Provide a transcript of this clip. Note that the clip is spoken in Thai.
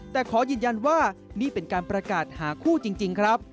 แต่ขอยืนยันว่านี่เป็นการประกาศหาคู่จริงครับ